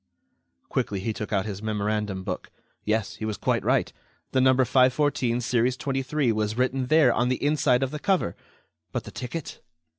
Quickly, he took out his memorandum book. Yes, he was quite right. The No. 514, series 23, was written there, on the inside of the cover. But the ticket?